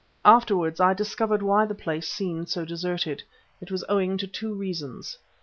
Afterwards I discovered why the place seemed so deserted. It was owing to two reasons.